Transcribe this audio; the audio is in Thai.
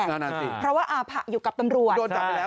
เพราะว่าอาภะอยู่กับตำรวจ